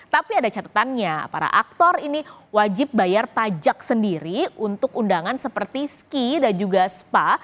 tapi ada catatannya para aktor ini wajib bayar pajak sendiri untuk undangan seperti ski dan juga spa